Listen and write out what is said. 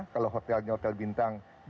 kalau hotelnya hotel bintang